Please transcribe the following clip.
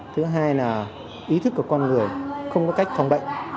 thứ hai là ý thức của con người không có cách phòng bệnh